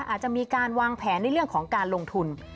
อาจจะมีการวางแผนในเรื่องของการลงทุน